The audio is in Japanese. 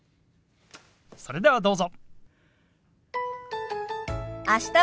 それではどうぞ。